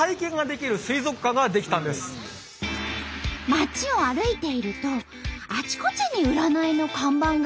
街を歩いているとあちこちに占いの看板が。